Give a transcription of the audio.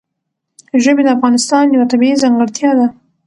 ژبې د افغانستان یوه طبیعي ځانګړتیا ده.